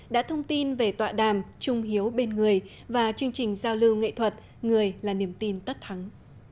đã thông tin về tọa đàm trung hiếu bên người và chương trình giao lưu nghệ thuật người là niềm tin tất thắng